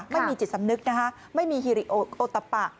ไม่มีจิตสำนึกนะคะไม่มีฮิริโอตะปะ